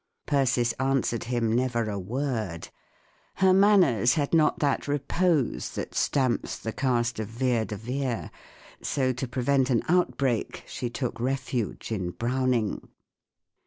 Persis answered him never a word. Her runners had not that repose that stamps the caste of Vere de Vere; so, to prevent an outbreak, she took refuge in Browning.